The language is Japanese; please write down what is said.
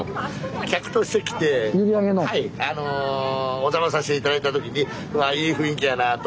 お邪魔させて頂いた時にうわいい雰囲気やなあと。